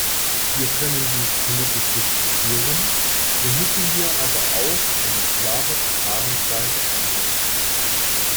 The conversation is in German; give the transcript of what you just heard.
Wir können dies politisch diskutieren, wir müssen hier aber auch eine klare Verfahrensweise einhalten.